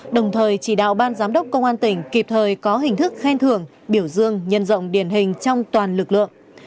đồng thời chỉ đạo ban giám đốc công an tỉnh kịp thời có hình thức khen thưởng biểu dương nhân rộng điển hình trong toàn lực lượng